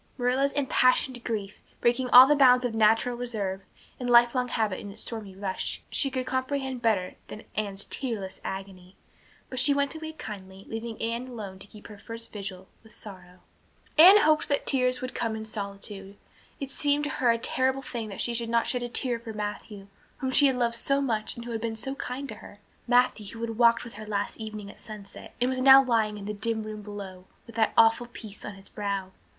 Marilla's impassioned grief, breaking all the bounds of natural reserve and lifelong habit in its stormy rush, she could comprehend better than Anne's tearless agony. But she went away kindly, leaving Anne alone to keep her first vigil with sorrow. Anne hoped that the tears would come in solitude. It seemed to her a terrible thing that she could not shed a tear for Matthew, whom she had loved so much and who had been so kind to her, Matthew who had walked with her last evening at sunset and was now lying in the dim room below with that awful peace on his brow.